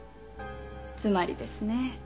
つまりですね。